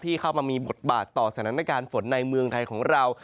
เข้ามามีบทบาทต่อสถานการณ์ฝนในเมืองไทยของเรา